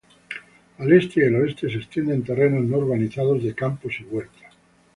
Al este y el oeste se extienden terrenos no urbanizados de campos y huertas.